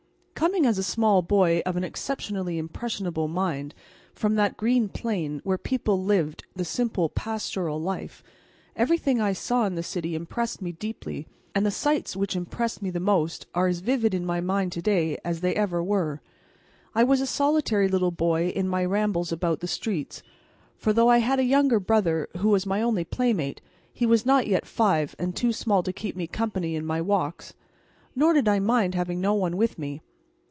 Coming as a small boy of an exceptionally impressionable mind, from that green plain where people lived the simple pastoral life, everything I saw in the city impressed me deeply, and the sights which impressed me the most are as vivid in my mind to day as they ever were. I was a solitary little boy in my rambles about the streets, for though I had a younger brother who was my only playmate, he was not yet five, and too small to keep me company in my walks. Nor did I mind having no one with me.